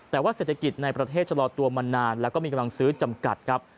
แต่ว่าเศรษฐกิจในประเทศชะลอตัวมานานแล้วก็มีกำลังซื้อจำกัดครับ